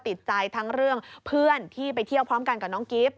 ติดใจทั้งเรื่องเพื่อนที่ไปเที่ยวพร้อมกันกับน้องกิฟต์